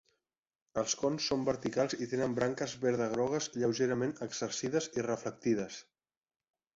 Els cons són verticals i tenen branques verda-grogues lleugerament exercides i reflectides.